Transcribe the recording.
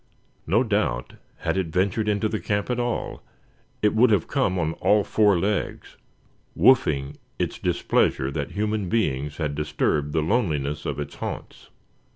No doubt, had it ventured into the camp at all, it would have come on all four legs, "woofing" its displeasure that human beings had disturbed the loneliness of its haunts.